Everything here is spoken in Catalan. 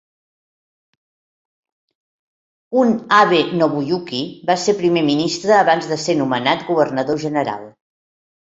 Un, Abe Nobuyuki, va ser primer ministre abans de ser nomenat governador general.